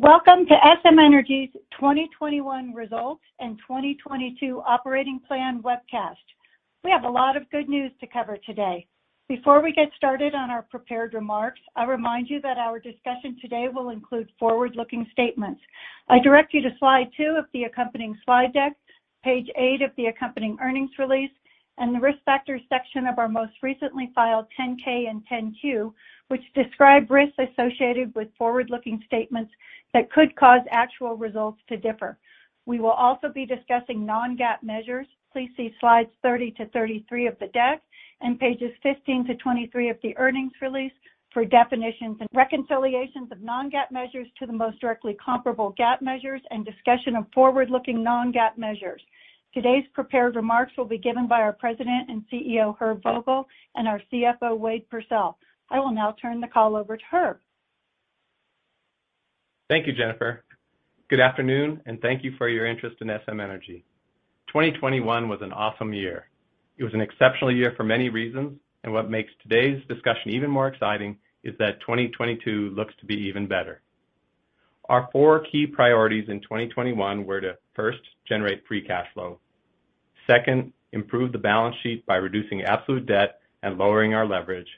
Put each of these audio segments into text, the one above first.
Welcome to SM Energy's 2021 Results and 2022 Operating Plan Webcast. We have a lot of good news to cover today. Before we get started on our prepared remarks, I'll remind you that our discussion today will include forward-looking statements. I direct you to slide two of the accompanying slide deck, page eight of the accompanying earnings release, and the Risk Factors section of our most recently filed 10-K and 10-Q, which describe risks associated with forward-looking statements that could cause actual results to differ. We will also be discussing non-GAAP measures. Please see slides 30-33 of the deck and pages 15-23 of the earnings release for definitions and reconciliations of non-GAAP measures to the most directly comparable GAAP measures and discussion of forward-looking non-GAAP measures. Today's prepared remarks will be given by our President and CEO, Herb Vogel, and our CFO, Wade Pursell. I will now turn the call over to Herb. Thank you, Jennifer. Good afternoon, and thank you for your interest in SM Energy. 2021 was an awesome year. It was an exceptional year for many reasons, and what makes today's discussion even more exciting is that 2022 looks to be even better. Our four key priorities in 2021 were to, first, generate free cash flow. Second, improve the balance sheet by reducing absolute debt and lowering our leverage.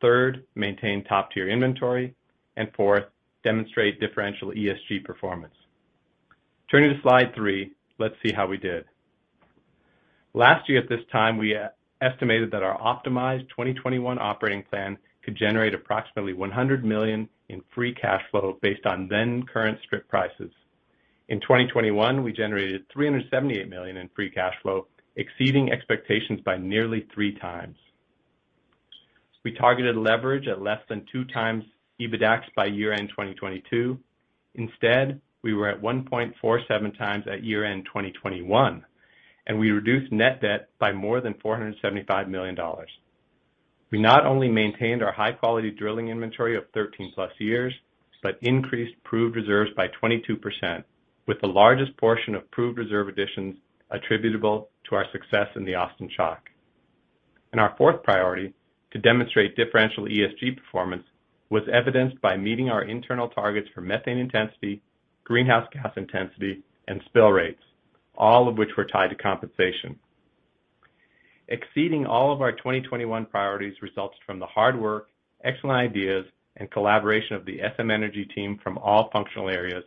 Third, maintain top-tier inventory. Fourth, demonstrate differential ESG performance. Turning to slide three, let's see how we did. Last year at this time, we estimated that our optimized 2021 operating plan could generate approximately $100 million in free cash flow based on then current strip prices. In 2021, we generated $378 million in free cash flow, exceeding expectations by nearly 3x. We targeted leverage at less than 2x EBITDAX by year-end 2022. Instead, we were at 1.47x at year-end 2021, and we reduced net debt by more than $475 million. We not only maintained our high-quality drilling inventory of 13+ years, but increased proved reserves by 22%, with the largest portion of proved reserve additions attributable to our success in the Austin Chalk. Our fourth priority, to demonstrate differential ESG performance, was evidenced by meeting our internal targets for methane intensity, greenhouse gas intensity, and spill rates, all of which were tied to compensation. Exceeding all of our 2021 priorities results from the hard work, excellent ideas, and collaboration of the SM Energy team from all functional areas,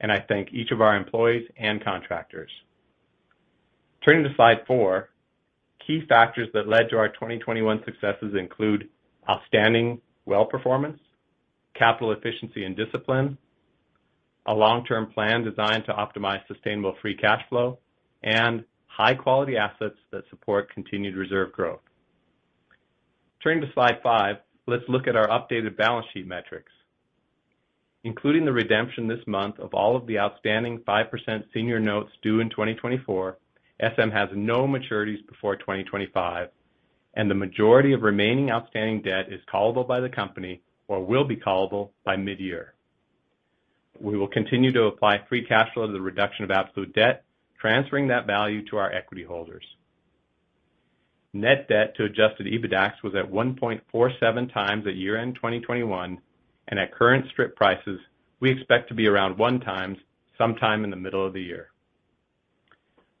and I thank each of our employees and contractors. Turning to slide four. Key factors that led to our 2021 successes include outstanding well performance, capital efficiency and discipline, a long-term plan designed to optimize sustainable free cash flow, and high-quality assets that support continued reserve growth. Turning to slide five, let's look at our updated balance sheet metrics. Including the redemption this month of all of the outstanding 5% senior notes due in 2024, SM has no maturities before 2025, and the majority of remaining outstanding debt is callable by the company or will be callable by mid-year. We will continue to apply free cash flow to the reduction of absolute debt, transferring that value to our equity holders. Net debt to adjusted EBITDAX was at 1.47x at year-end 2021, and at current strip prices, we expect to be around 1x sometime in the middle of the year.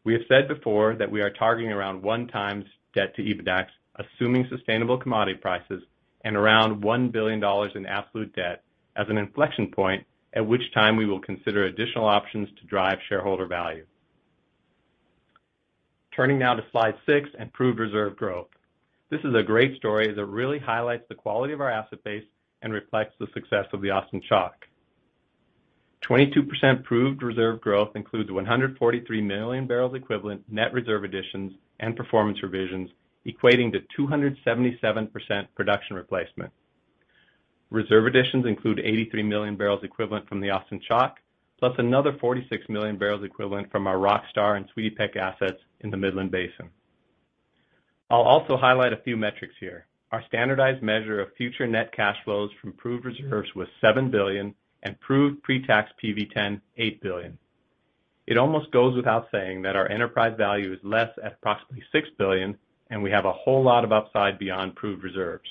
We have said before that we are targeting around 1x debt to EBITDAX, assuming sustainable commodity prices and around $1 billion in absolute debt as an inflection point at which time we will consider additional options to drive shareholder value. Turning now to slide six, improved reserve growth. This is a great story that really highlights the quality of our asset base and reflects the success of the Austin Chalk. 22% proved reserve growth includes 143 million barrels equivalent net reserve additions and performance revisions, equating to 277% production replacement. Reserve additions include 83 million barrels equivalent from the Austin Chalk, plus another 46 million barrels equivalent from our RockStar and Sweetie Peck assets in the Midland Basin. I'll also highlight a few metrics here. Our standardized measure of future net cash flows from proved reserves was $7 billion, and proved pre-tax PV-10, $8 billion. It almost goes without saying that our enterprise value is less at approximately $6 billion, and we have a whole lot of upside beyond proved reserves.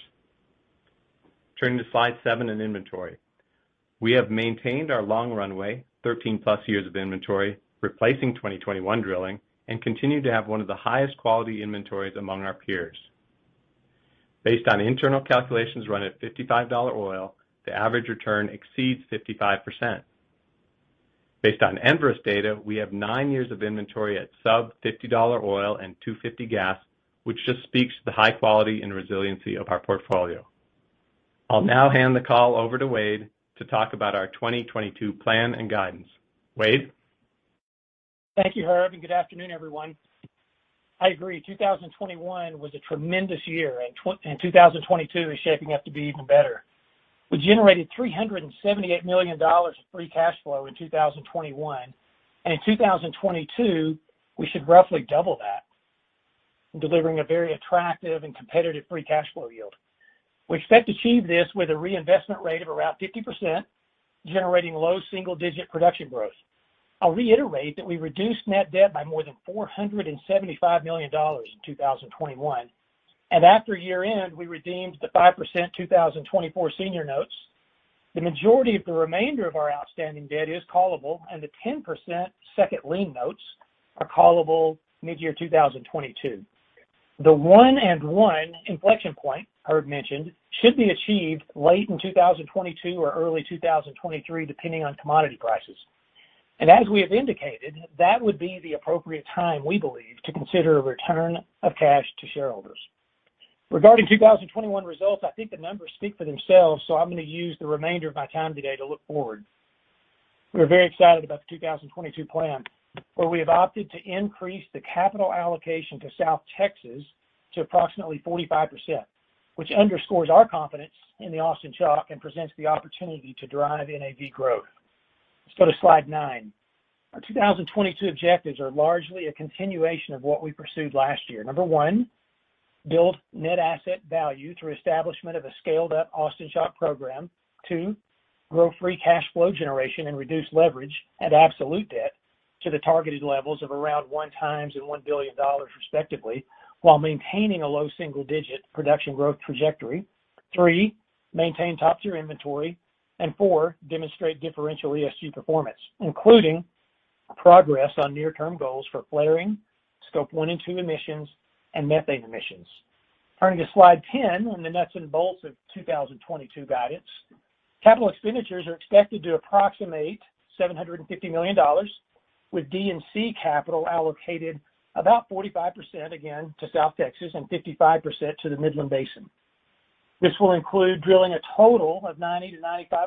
Turning to slide seven in inventory. We have maintained our long runway, 13+ years of inventory, replacing 2021 drilling, and continue to have one of the highest quality inventories among our peers. Based on internal calculations run at $55 oil, the average return exceeds 55%. Based on Enverus data, we have 9 years of inventory at sub-$50 oil and $2.50 gas, which just speaks to the high quality and resiliency of our portfolio. I'll now hand the call over to Wade to talk about our 2022 plan and guidance. Wade? Thank you, Herb, and good afternoon, everyone. I agree, 2021 was a tremendous year, and 2022 is shaping up to be even better. We generated $378 million of free cash flow in 2021, and in 2022, we should roughly double that, delivering a very attractive and competitive free cash flow yield. We expect to achieve this with a reinvestment rate of around 50%, generating low single-digit production growth. I'll reiterate that we reduced net debt by more than $475 million in 2021. After year-end, we redeemed the 5% 2024 senior notes. The majority of the remainder of our outstanding debt is callable, and the 10% second lien notes are callable mid-year 2022. The one and one inflection point Herb mentioned should be achieved late in 2022 or early 2023, depending on commodity prices. As we have indicated, that would be the appropriate time, we believe, to consider a return of cash to shareholders. Regarding 2021 results, I think the numbers speak for themselves, so I'm gonna use the remainder of my time today to look forward. We are very excited about the 2022 plan, where we have opted to increase the capital allocation to South Texas to approximately 45%, which underscores our confidence in the Austin Chalk and presents the opportunity to drive NAV growth. Let's go to slide nine. Our 2022 objectives are largely a continuation of what we pursued last year. One, build net asset value through establishment of a scaled up Austin Chalk program. Two, grow free cash flow generation and reduce leverage and absolute debt to the targeted levels of around 1x and $1 billion respectively, while maintaining a low single-digit production growth trajectory. Three, maintain top-tier inventory. Four, demonstrate differential ESG performance, including progress on near-term goals for flaring, Scope one and two emissions, and methane emissions. Turning to slide 10 on the nuts and bolts of 2022 guidance. Capital expenditures are expected to approximate $750 million, with D&C capital allocated about 45% again to South Texas and 55% to the Midland Basin. This will include drilling a total of 90-95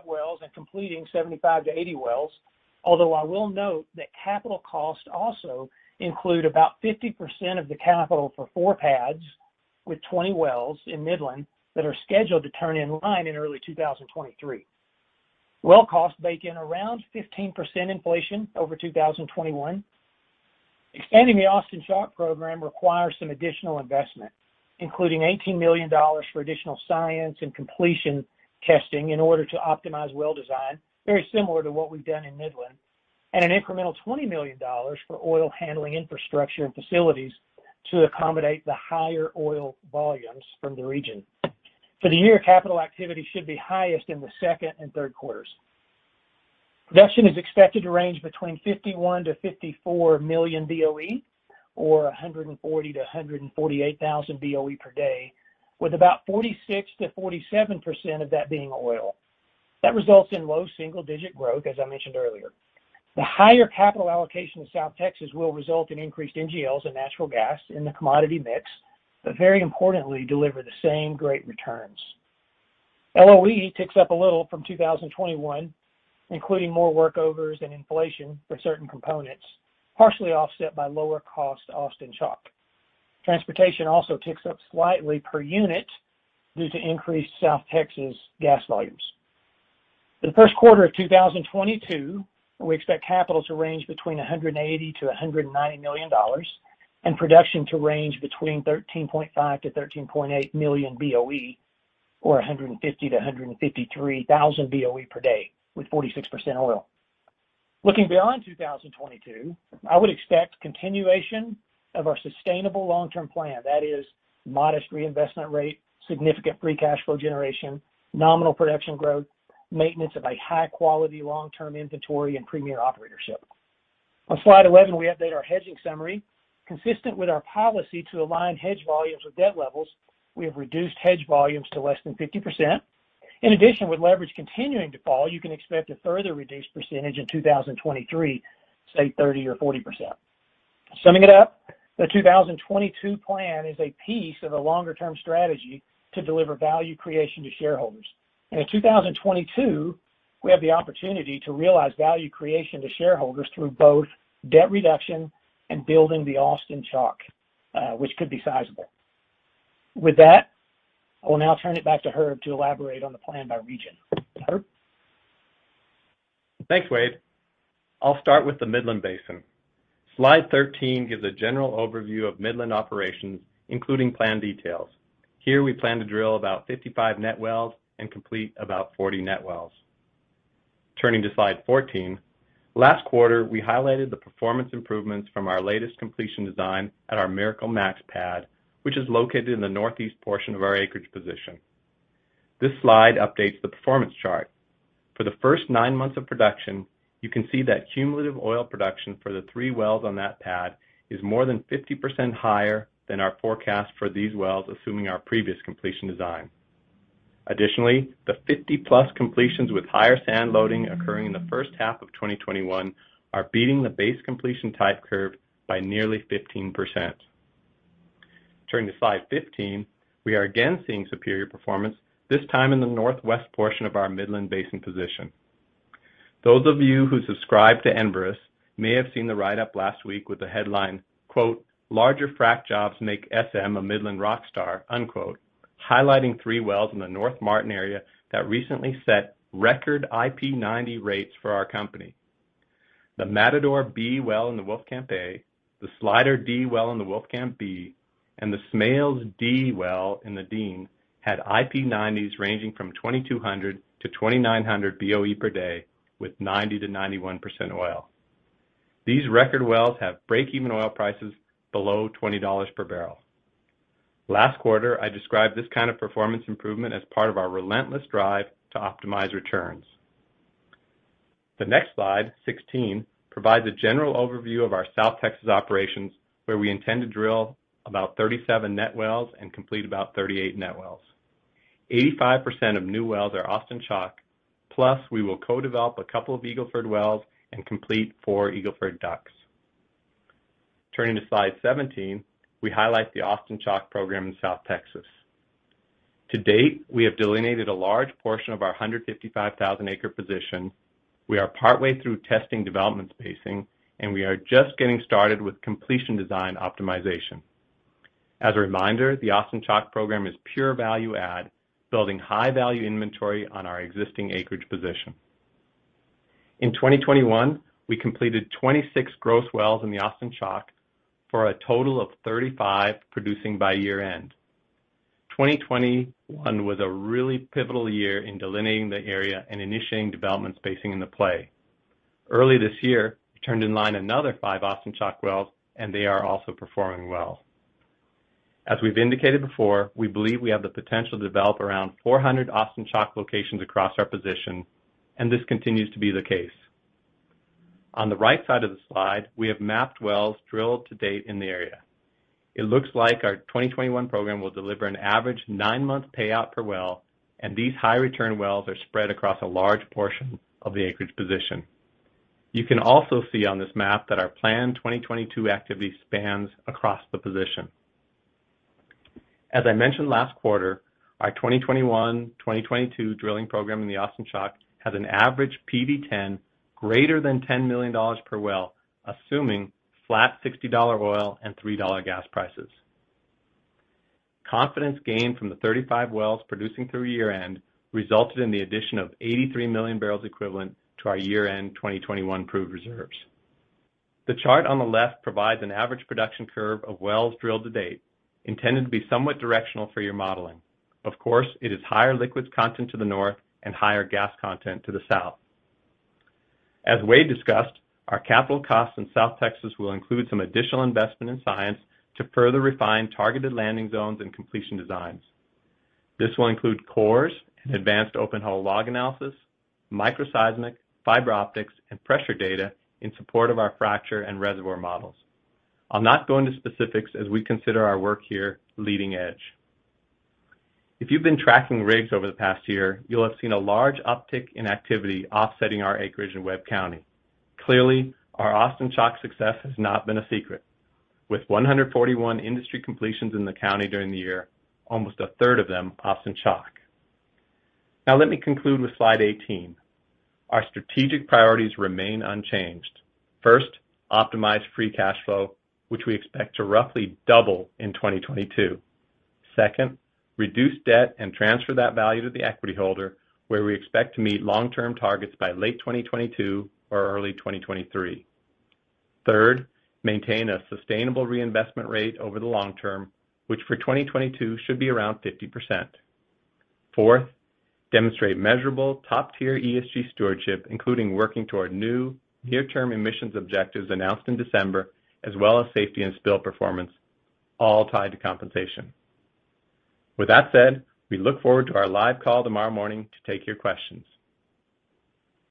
wells and completing 75-80 wells, although I will note that capital costs also include about 50% of the capital for four pads with 20 wells in Midland that are scheduled to turn in line in early 2023. Well costs bake in around 15% inflation over 2021. Extending the Austin Chalk program requires some additional investment, including $18 million for additional science and completion testing in order to optimize well design, very similar to what we've done in Midland, and an incremental $20 million for oil handling infrastructure and facilities to accommodate the higher oil volumes from the region. For the year, capital activity should be highest in the second and third quarters. Production is expected to range between 51-54 million BOE, or 140-148 thousand BOE per day, with about 46%-47% of that being oil. That results in low single-digit growth, as I mentioned earlier. The higher capital allocation in South Texas will result in increased NGLs and natural gas in the commodity mix, but very importantly, deliver the same great returns. LOE ticks up a little from 2021, including more workovers and inflation for certain components, partially offset by lower cost Austin Chalk. Transportation also ticks up slightly per unit due to increased South Texas gas volumes. For the first quarter of 2022, we expect capital to range between $180-$190 million, and production to range between 13.5-13.8 million BOE, or 150-153 thousand BOE per day with 46% oil. Looking beyond 2022, I would expect continuation of our sustainable long-term plan. That is modest reinvestment rate, significant free cash flow generation, nominal production growth, maintenance of a high quality long-term inventory, and premier operatorship. On slide 11, we update our hedging summary. Consistent with our policy to align hedge volumes with debt levels, we have reduced hedge volumes to less than 50%. In addition, with leverage continuing to fall, you can expect a further reduced percentage in 2023, say 30% or 40%. Summing it up, the 2022 plan is a piece of a longer term strategy to deliver value creation to shareholders. In 2022, we have the opportunity to realize value creation to shareholders through both debt reduction and building the Austin Chalk, which could be sizable. With that, I will now turn it back to Herb to elaborate on the plan by region. Herb? Thanks, Wade. I'll start with the Midland Basin. Slide 13 gives a general overview of Midland operations, including plan details. Here we plan to drill about 55 net wells and complete about 40 net wells. Turning to slide 14, last quarter, we highlighted the performance improvements from our latest completion design at our Miracle Max pad, which is located in the northeast portion of our acreage position. This slide updates the performance chart. For the first nine months of production, you can see that cumulative oil production for the three wells on that pad is more than 50% higher than our forecast for these wells, assuming our previous completion design. Additionally, the 50-plus completions with higher sand loading occurring in the first half of 2021 are beating the base completion type curve by nearly 15%. Turning to slide 15, we are again seeing superior performance, this time in the northwest portion of our Midland Basin position. Those of you who subscribe to Enverus may have seen the write-up last week with the headline quote, Larger Frac Jobs Make SM a Midland Rock Star, unquote, highlighting three wells in the North Martin area that recently set record IP90 rates for our company. The Matador B well in the Wolfcamp A, the Slider D well in the Wolfcamp B, and the Smails D well in the Dean had IP90s ranging from 2,200-2,900 BOE per day with 90%-91% oil. These record wells have break-even oil prices below $20 per barrel. Last quarter, I described this kind of performance improvement as part of our relentless drive to optimize returns. The next slide, 16, provides a general overview of our South Texas operations, where we intend to drill about 37 net wells and complete about 38 net wells. 85% of new wells are Austin Chalk, plus we will co-develop a couple of Eagle Ford wells and complete four Eagle Ford DUCs. Turning to slide 17, we highlight the Austin Chalk program in South Texas. To date, we have delineated a large portion of our 155,000-acre position. We are partway through testing development spacing, and we are just getting started with completion design optimization. As a reminder, the Austin Chalk program is pure value add, building high-value inventory on our existing acreage position. In 2021, we completed 26 gross wells in the Austin Chalk for a total of 35 producing by year-end. 2021 was a really pivotal year in delineating the area and initiating development spacing in the play. Early this year, we turned in line another five Austin Chalk wells, and they are also performing well. As we've indicated before, we believe we have the potential to develop around 400 Austin Chalk locations across our position, and this continues to be the case. On the right side of the slide, we have mapped wells drilled to date in the area. It looks like our 2021 program will deliver an average 9-month payout per well, and these high return wells are spread across a large portion of the acreage position. You can also see on this map that our planned 2022 activity spans across the position. As I mentioned last quarter, our 2021/2022 drilling program in the Austin Chalk has an average PV-10 greater than $10 million per well, assuming flat $60 oil and $3 gas prices. Confidence gained from the 35 wells producing through year-end resulted in the addition of 83 million barrels equivalent to our year-end 2021 proved reserves. The chart on the left provides an average production curve of wells drilled to date, intended to be somewhat directional for your modeling. Of course, it is higher liquids content to the north and higher gas content to the south. As Wade discussed, our capital costs in South Texas will include some additional investment in science to further refine targeted landing zones and completion designs. This will include cores and advanced open hole log analysis, microseismic, fiber optics, and pressure data in support of our fracture and reservoir models. I'll not go into specifics as we consider our work here leading edge. If you've been tracking rigs over the past year, you'll have seen a large uptick in activity offsetting our acreage in Webb County. Clearly, our Austin Chalk success has not been a secret. With 141 industry completions in the county during the year, almost a third of them Austin Chalk. Now, let me conclude with slide 18. Our strategic priorities remain unchanged. First, optimize free cash flow, which we expect to roughly double in 2022. Second, reduce debt and transfer that value to the equity holder, where we expect to meet long-term targets by late 2022 or early 2023. Third, maintain a sustainable reinvestment rate over the long term, which for 2022 should be around 50%. Fourth, demonstrate measurable top-tier ESG stewardship, including working toward new near-term emissions objectives announced in December, as well as safety and spill performance, all tied to compensation. With that said, we look forward to our live call tomorrow morning to take your questions.